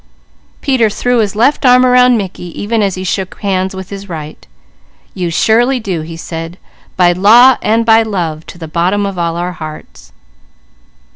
Peter threw his left arm around Mickey even as he shook hands with his right: "You surely do," he said, "by law and by love, to the bottom of all our hearts."